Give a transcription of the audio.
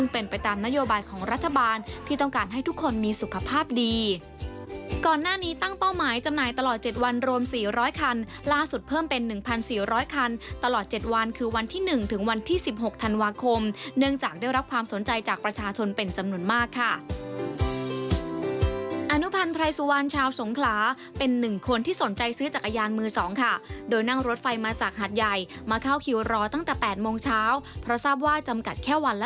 เป็นหนึ่งพันสี่ร้อยคันตลอดเจ็ดวันคือวันที่หนึ่งถึงวันที่สิบหกธันวาคมเนื่องจากได้รับความสนใจจากประชาชนเป็นจำนวนมากค่ะอนุพันธ์ไพรสุวรรณชาวสงขลาเป็นหนึ่งคนที่สนใจซื้อจักรยานมือสองค่ะโดยนั่งรถไฟมาจากหาดใหญ่มาเข้าคิวรอตั้งแต่แปดโมงเช้าเพราะทราบว่าจำกัด